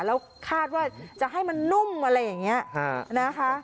แล้วคาดว่าจะให้มันนุ่มอะไรอย่างนี้นะคะ